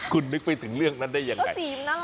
คุณนึกไปถึงเรื่องนั้นได้ยังไง